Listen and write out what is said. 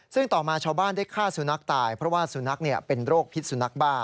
ซึ่งต่อมาชาวบ้านได้ฆ่าสุนัขตายเพราะว่าสุนัขเป็นโรคพิษสุนัขบ้า